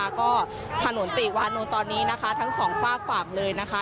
แล้วก็ถนนติวานนท์ตอนนี้นะคะทั้งสองฝากฝั่งเลยนะคะ